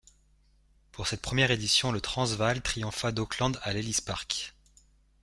Pour cette première édition, le Transvaal triompha d'Auckland à l'Ellis Park.